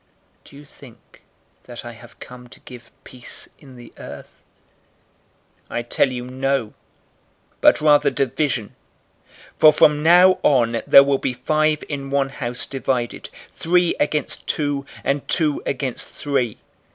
012:051 Do you think that I have come to give peace in the earth? I tell you, no, but rather division. 012:052 For from now on, there will be five in one house divided, three against two, and two against three.